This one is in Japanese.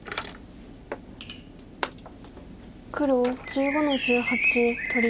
黒１５の十八取り。